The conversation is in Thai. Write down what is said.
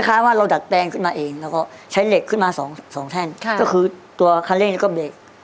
คล้ายว่าเราดัดแปลงขึ้นมาเองแล้วก็ใช้เหล็กขึ้นมา๒แท่นก็คือตัวคันเร่งและก็เบรก